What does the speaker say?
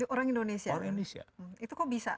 orang indonesia itu kok bisa